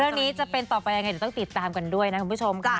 เรื่องนี้จะเป็นต่อไปยังไงต้องติดตามกันด้วยนะคุณผู้ชมค่ะ